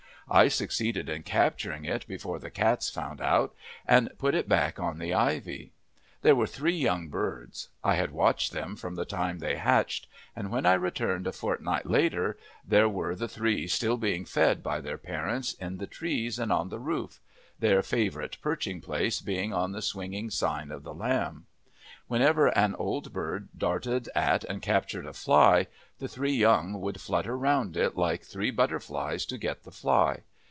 I succeeded in capturing it before the cats found out, and put it back on the ivy. There were three young birds; I had watched them from the time they hatched, and when I returned a fortnight later, there were the three, still being fed by their parents in the trees and on the roof, their favourite perching place being on the swinging sign of the "Lamb." Whenever an old bird darted at and captured a fly the three young would flutter round it like three butterflies to get the fly.